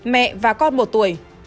mẹ và con một tuổi